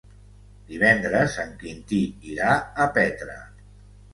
Divendres en Quintí irà a Petra.